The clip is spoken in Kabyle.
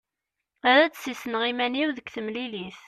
Ad d-ssisneɣ iman-iw deg temlilit.